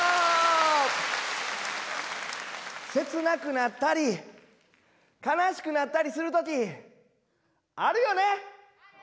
切なくなったり悲しくなったりする時あるよね？